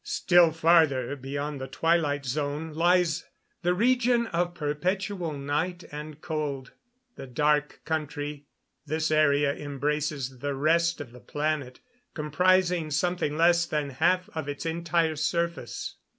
Still farther, beyond the twilight zone, lies the region of perpetual night and cold the Dark Country. This area embraces the rest of the planet, comprising something less than half of its entire surface.